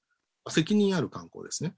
責任ある観光ですね。